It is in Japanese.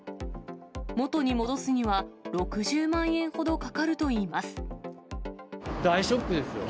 元に戻すには、６０万円ほどかか大ショックですよ。